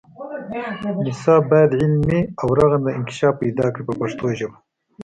نصاب باید علمي او رغنده انکشاف پیدا کړي په پښتو ژبه.